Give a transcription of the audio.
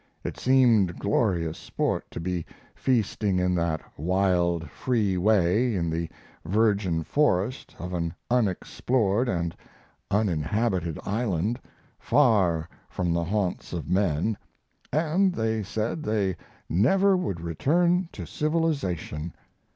It seemed glorious sport to be feasting in that wild, free way in the virgin forest of an unexplored and uninhabited island, far from the haunts of men, and they said they never would return to civilization.